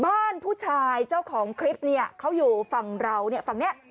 บ้านผู้ชายเจ้าของคลิปเนี่ยเขาอยู่ฝั่งเราเนี่ยฝั่งนี้